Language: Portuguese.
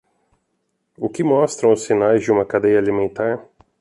O que mostram os sinais de uma cadeia alimentar?